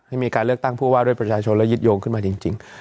มีการเลือกตั้งผู้ว่าด้วยประชาชนและยึดโยงขึ้นมาจริง